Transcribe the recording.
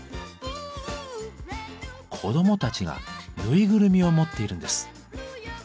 子どもたちがぬいぐるみを持っているんです。